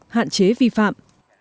hạn chế vi phạm